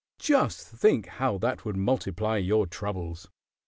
Just think how that would multiply your troubles.